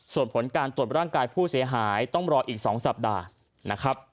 ส่วนผลการตรวจร่างกายผู้เสียหายต้องรออีก๒สัปดาห์นะครับ